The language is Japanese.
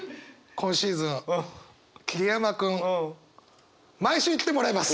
今シーズン桐山君毎週来てもらいます。